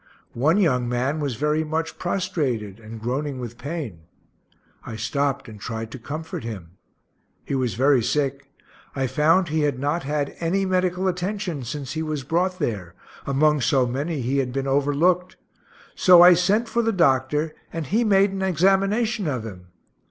One young man was very much prostrated, and groaning with pain. I stopt and tried to comfort him. He was very sick. I found he had not had any medical attention since he was brought there; among so many he had been overlooked; so I sent for the doctor, and he made an examination of him.